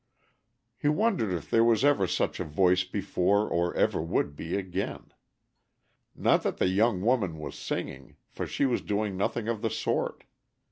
He wondered if there ever was such a voice before or ever would be again. Not that the young woman was singing, for she was doing nothing of the sort.